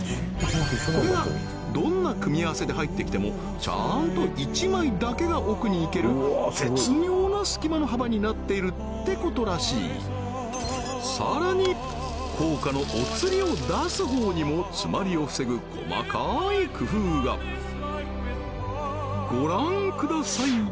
これがどんな組み合わせで入ってきてもちゃんと１枚だけが奥に行ける絶妙な隙間の幅になっているってことらしいさらに硬貨のおつりを出す方にも詰まりを防ぐ細かい工夫がご覧ください